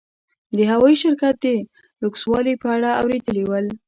د هوايي شرکت د لوکسوالي په اړه اورېدلي ول.